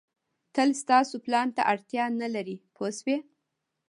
تل تاسو پلان ته اړتیا نه لرئ پوه شوې!.